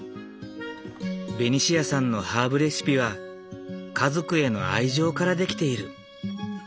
ベニシアさんのハーブレシピは家族への愛情から出来ている。